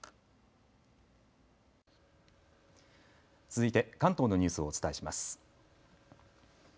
続いて関東のニュースをお伝えします。